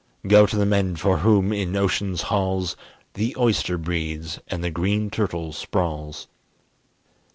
Go to the men for whom, in ocean's halls, The oyster breeds and the green turtle sprawls.